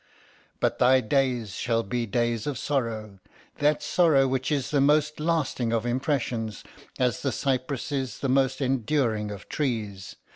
But thy days shall be days of sorrow—that sorrow which is the most lasting of impressions, as the cypress is the most enduring of trees.